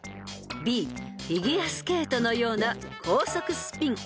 ［Ｂフィギュアスケートのような高速スピン］